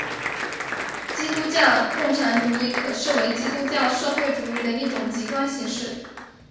基督教共产主义可视为基督教社会主义的一种极端形式。